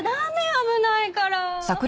危ないから。